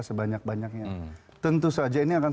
sebanyak banyaknya tentu saja ini akan